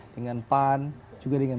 dengan pan juga dengan